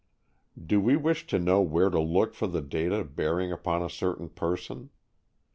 Do we wish to know where to look for the data bearing upon a certain person?